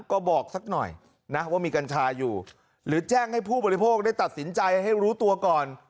ก็บอกสักหน่อยนะว่ามีกัญชาอยู่หรือแจ้งให้ผู้บริโภคได้ตัดสินใจให้รู้ตัวก่อน